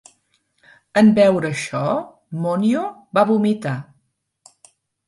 En veure això, Wonhyo va vomitar.